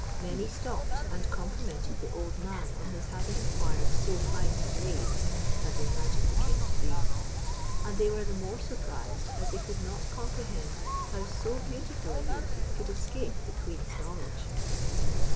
Many stopped and complimented the old man on his having acquired so fine a slave, as they imagined the king to be; and they were the more surprised as they could not comprehend how so beautiful a youth could escape the queen's knowledge.